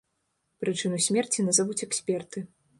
Прычыну смерці назавуць эксперты.